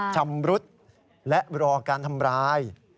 ชำรุดและรอการทำร้าย